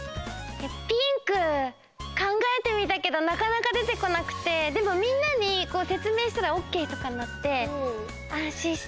ピンクかんがえてみたけどなかなか出てこなくてでもみんなにせつめいしたらオーケーとかになってあんしんした。